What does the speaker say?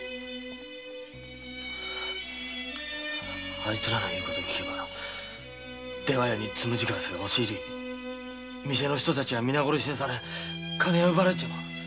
あいつらの言うことをきけば出羽屋に「つむじ風」が押し入り店の人たちは皆殺しにされ金は奪われちまう。